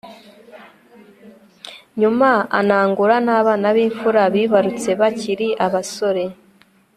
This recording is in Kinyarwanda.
nyuma anangura n'abana b'imfura bibarutse bakiri abasore